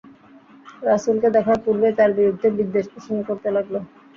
রাসূলকে দেখার পূর্বেই তার বিরুদ্ধে বিদ্বেষ পোষণ করতে লাগল।